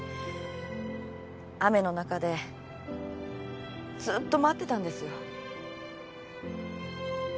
雨の中でずーっと待ってたんですよ。